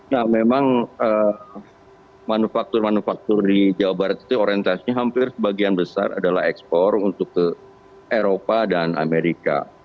nah memang manufaktur manufaktur di jawa barat itu orientasinya hampir sebagian besar adalah ekspor untuk ke eropa dan amerika